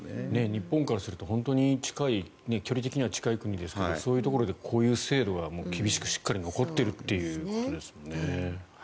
日本からすると本当に距離的には近いところですがそういうところでこういう制度が厳しくしっかり残っているっていうことですもんね。